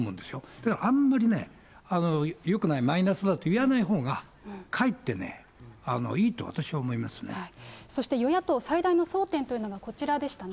ただあんまりね、よくない、マイナスだと言わないほうが、かえってね、そして与野党、最大の争点というのが、こちらでしたね。